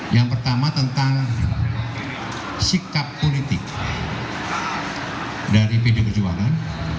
yang pertama tentang sikap politik dari pdi perjuangan